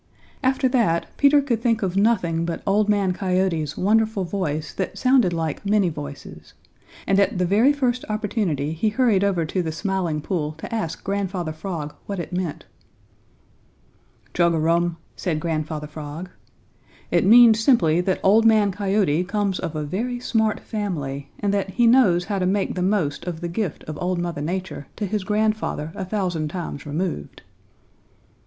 After that, Peter could think of nothing but Old Man Coyote's wonderful voice that sounded like many voices, and at the very first opportunity he hurried over to the Smiling Pool to ask Grandfather Frog what it meant. "Chug a rum!" said Grandfather Frog. "It means simply that Old Man Coyote comes of a very smart family, and that he knows how to make the most of the gift of Old Mother Nature to his grandfather a thousand times removed."